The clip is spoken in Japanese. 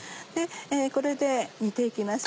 これで煮て行きます。